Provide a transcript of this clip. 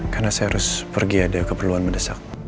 karena saya harus pergi ada keperluan mendesak